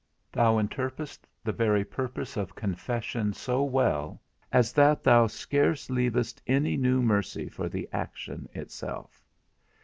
Thou interpretest the very purpose of confession so well, as that thou scarce leavest any new mercy for the action itself.